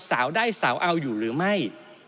สาวได้สาวเอาอยู่หรือไม่